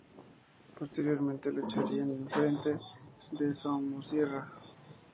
Posteriormente lucharía en el frente de Somosierra.